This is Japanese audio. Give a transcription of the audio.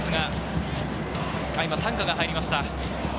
今、担架が入りました。